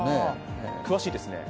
詳しいですね。